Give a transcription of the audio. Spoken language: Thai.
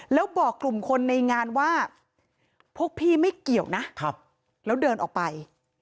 แล้วบอกกลุ่มคนในงานว่าพวกพี่ไม่เกี่ยวนะแล้วเดินออกไป